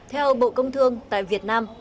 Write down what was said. theo bộ công thương tại việt nam